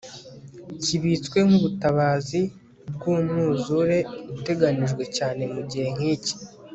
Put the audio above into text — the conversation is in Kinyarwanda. kibitswe nkubutabazi bwumwuzure uteganijwe cyane mugihe nkiki